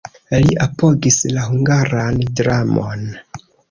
Li apogis la hungaran dramon.